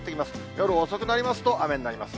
夜遅くなりますと雨になります。